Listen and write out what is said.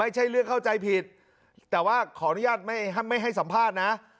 ไม่ใช่เรื่องเข้าใจผิดแต่ว่าขออนุญาตไม่ให้สัมภาษณ์นะ